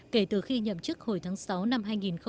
kể từ khi nhậm chức hồi tháng sáu năm hai nghìn một mươi tám